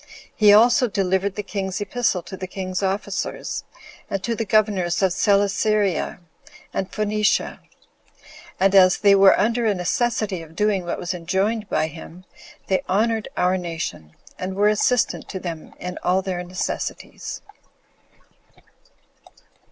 He also delivered the king's epistle to the king's officers, and to the governors of Celesyria and Phoenicia; and as they were under a necessity of doing what was enjoined by him, they honored our nation, and were assistant to them in all their necessities.